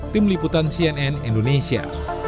tim liputan cnn indonesia